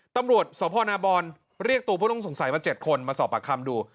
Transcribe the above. ตำรวจสพนบอนเรียกตัวผู้ต้องสงสัยมา๗คนมาสอบปากคำดู